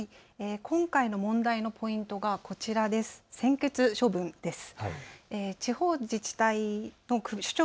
今回の問題のポイントがこちらです。